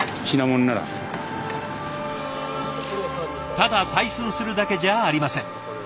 ただ採寸するだけじゃありません。